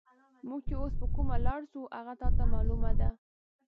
موږ چې اوس پر کومه لار ځو، هغه تا ته معلومه ده؟